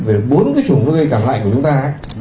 về bốn cái chủng nó gây cảm lạnh của chúng ta